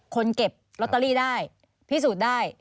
คนเก็บลอตเตอรี่ได้พิสูจน์ได้